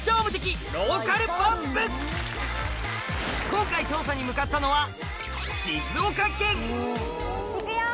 今回調査に向かったのは行くよ！